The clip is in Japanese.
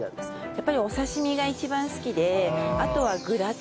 やっぱりお刺身が一番好きであとはグラタンです。